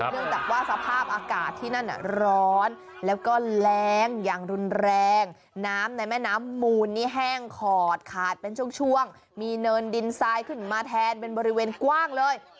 เนื่องจากว่าสภาพอากาศที่นั่นร้อนแล้วก็แรงอย่างรุนแรงน้ำในแม่น้ำมูลนี่แห้งขอดขาดเป็นช่วงมีเนินดินทรายขึ้นมาแทนเป็นบริเวณกว้างเลย